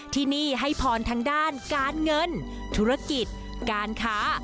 ที่นี่ให้พรทางด้านการเงินธุรกิจการค้า